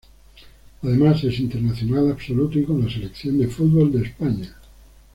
Además es internacional absoluto y con la selección de fútbol de España.